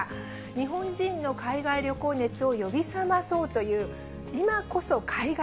日本人の海外旅行熱を呼び覚まそうという、今こそ海外！